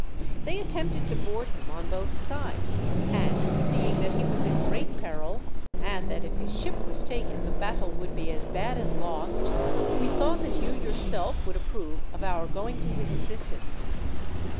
They attempted to board him on both sides, and, seeing that he was in great peril, and that if his ship was taken the battle would be as bad as lost, we thought that you yourself would approve of our going to his assistance.